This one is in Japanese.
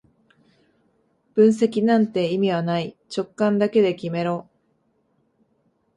分析なんて意味はない、直感だけで決めろ